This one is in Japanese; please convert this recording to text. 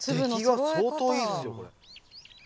できが相当いいっすよこれ。